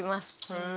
へえ。